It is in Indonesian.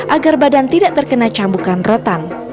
agar badan tidak terkena cambukan rotan